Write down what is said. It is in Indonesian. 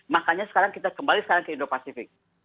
makanya sekarang kita kembali sekarang ke indo pasifik